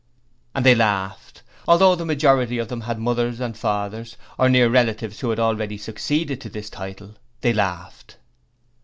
"' And they laughed! Although the majority of them had mothers or fathers or other near relatives who had already succeeded to the title they laughed!